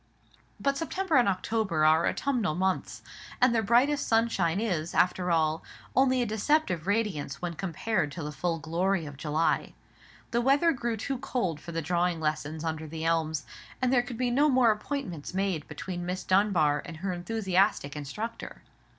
But September and October are autumnal months; and their brightest sunshine is, after all, only a deceptive radiance when compared to the full glory of July. The weather grew too cold for the drawing lessons under the elms, and there could be no more appointments made between Miss Dunbar and her enthusiastic instructor.